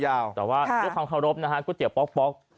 แต่ว่าด้วยความเคารพนะฮะก๋วยเตี๋ป๊อก